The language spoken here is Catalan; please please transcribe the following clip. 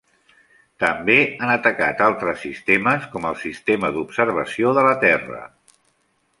També han atacat altres sistemes, com el Sistema d'Observació de la Terra.